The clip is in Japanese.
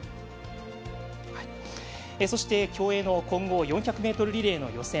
そして、競泳の混合４００ｍリレーの予選。